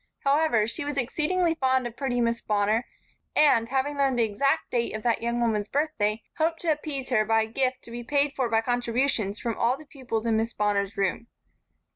However, she was exceedingly fond of pretty Miss Bonner and, having learned the exact date of that young woman's birthday, hoped to appease her by a gift to be paid for by contributions from all the pupils in Miss Bonner's room.